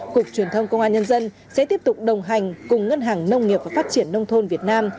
cục truyền thông công an nhân dân sẽ tiếp tục đồng hành cùng ngân hàng nông nghiệp và phát triển nông thôn việt nam